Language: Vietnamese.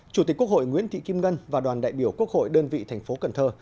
chủ tịch quốc hội nguyễn thị kim ngân và đoàn đại biểu quốc hội đơn vị thành phố cần thơ